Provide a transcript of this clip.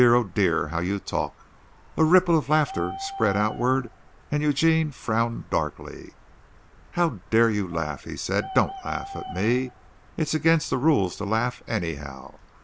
Oh, dear, how you talk!" A ripple of laughter spread outward, and Eugene frowned darkly. "How dare you laugh?" he said. "Don't laugh at me. It's against the rules to laugh, anyhow.